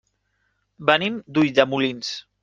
Venim d'Ulldemolins.